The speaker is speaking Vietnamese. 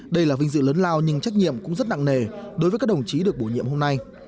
đây là vinh dự lớn lao nhưng trách nhiệm cũng rất nặng nề đối với các đồng chí được bổ nhiệm hôm nay